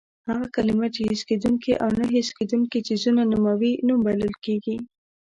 هغه کلمه چې حس کېدونکي او نه حس کېدونکي څیزونه نوموي نوم بلل کېږي.